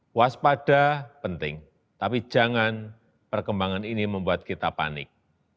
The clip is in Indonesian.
puas pada penting tapi jangan perkembangan ini membuat kita panik